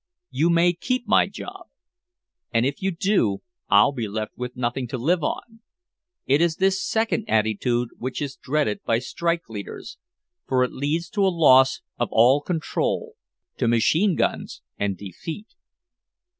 "You may keep my job! And if you do I'll be left with nothing to live on!" It is this second attitude which is dreaded by strike leaders, for it leads to a loss of all control, to machine guns and defeat.